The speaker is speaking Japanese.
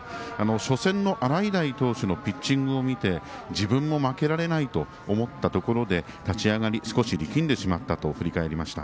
初戦の洗平投手のピッチングを見て自分も負けられないと思ったところで立ち上がり少し力んでしまったと振り返りました。